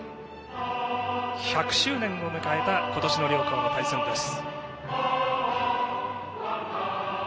１００周年を迎えた今年の両校の対戦です。